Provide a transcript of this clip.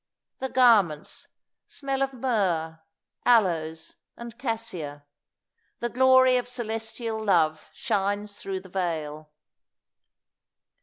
The garments "smell of myrrh, aloes, and cassia;" the glory of celestial love shines through the veil.